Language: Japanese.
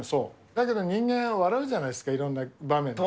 だけど人間、笑うじゃないですか、いろんな場面で。